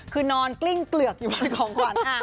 คือนอนกลิ้งเปลือกอยู่บนของขวัญ